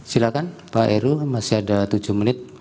silakan pak heru masih ada tujuh menit